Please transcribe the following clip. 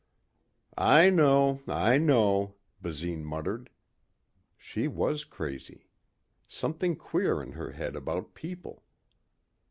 "I know, I know," Basine muttered. She was crazy. Something queer in her head about people.